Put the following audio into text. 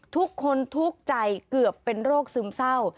ทุกคนทุกข์ใจเกือบเป็นโรคซึมเศร้า